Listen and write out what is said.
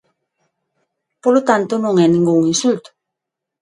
Polo tanto, non é ningún insulto.